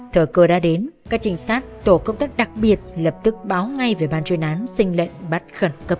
thở cờ đã đến các trinh sát tổ công tắc đặc biệt lập tức báo ngay về ban chuyên án xin lệnh bắt khẩn cập